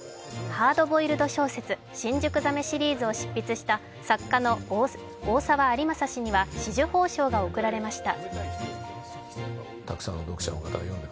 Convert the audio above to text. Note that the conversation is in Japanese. ハードボイルド小説「新宿鮫」シリーズを執筆した作家の大沢在昌氏には紫綬褒章が贈られました。